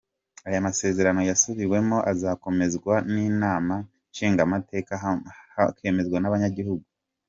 Ayo masezerano yasubiwemwo azokwemezwa n’inama nshingamateka hakwemezwa n’abanyagihugu.